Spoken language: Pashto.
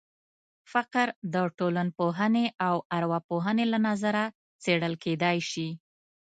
فقر د ټولنپوهنې او ارواپوهنې له نظره څېړل کېدای شي.